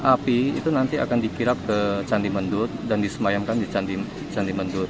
api itu nanti akan dikirap ke candi mendut dan disemayamkan di candi mendut